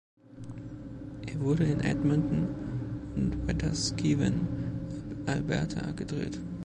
Er wurde in Edmonton und Wetaskiwin, Alberta, gedreht.